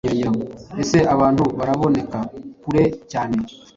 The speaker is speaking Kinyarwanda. Ese abantu baraboneka kure cyane.